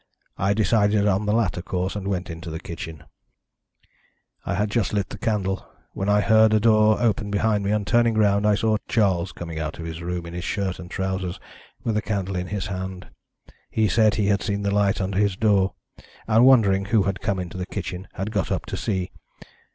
I decided on the latter course, and went into the kitchen. "I had just lit a candle, when I heard a door open behind me, and, turning round, I saw Charles coming out of his room in his shirt and trousers, with a candle in his hand. He said he had seen the light under his door, and wondering who had come into the kitchen had got up to see.